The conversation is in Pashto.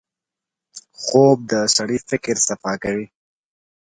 خوب د سړي فکر صفا کوي